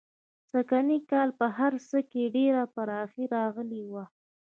سږنی کال په هر څه کې ډېره پراخي راغلې وه.